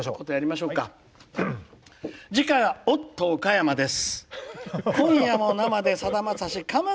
次回はおっと岡山です。